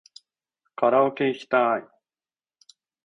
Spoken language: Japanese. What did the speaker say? カラオケいきたい